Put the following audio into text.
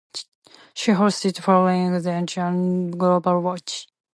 She hosted "Foreign Exchange" and "Global Watch".